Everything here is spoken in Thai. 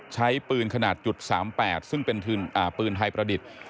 ใช้ปืนขนาด๓๘ซึ่งเป็นปืนไทยประดิษฐ์